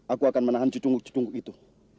aku akan menahan cucung cucung itu